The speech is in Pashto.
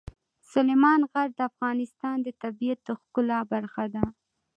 سلیمان غر د افغانستان د طبیعت د ښکلا برخه ده.